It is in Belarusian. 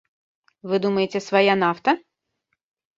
Вы думаеце, свая нафта?